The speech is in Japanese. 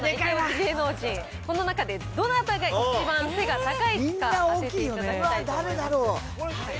芸能人、この中でどなたが一番背が高いかというのを当てていただきたいと誰だろう。